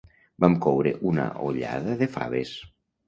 Vam coure una ollada de faves.